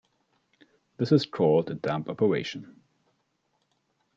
This is called a dump operation.